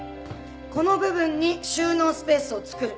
この部分に収納スペースを作る。